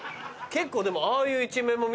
結構でも。